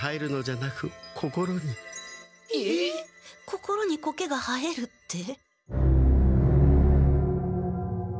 心にコケが生えるって。